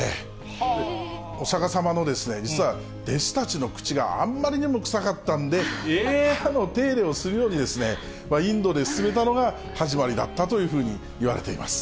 お釈迦様の弟子たちの口があんまりにも臭かったんで、歯の手入れをするように、インドで勧めてたのが始まりだったというふうにいわれています。